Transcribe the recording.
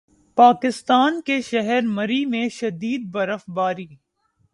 پاکستان کے شہر مری میں شدید برف باری